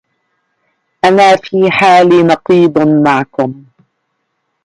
أنا في حالي نقيض معكم